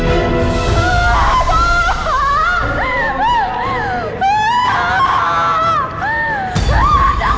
masa ke rumah sakit sekarang